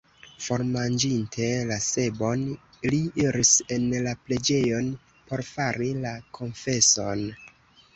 Formanĝinte la sebon, li iris en la preĝejon, por fari la konfeson.